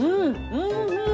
おいしいな！